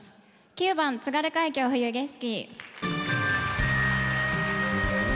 ９番「津軽海峡・冬景色」。